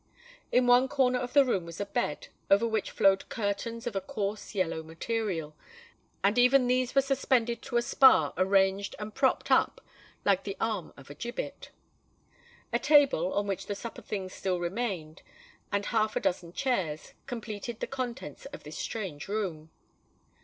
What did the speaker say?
In one corner of the room was a bed, over which flowed curtains of a coarse yellow material; and even these were suspended to a spar arranged and propped up like the arm of a gibbet. A table, on which the supper things still remained, and half a dozen chairs, completed the contents of this strange room.